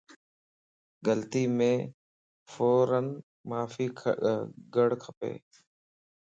غلطيءَ مَ فوران معافي گڙ کپ